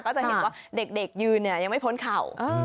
ก็จะเห็นว่าเด็กยืนเนี่ยยังไม่พ้นเข่า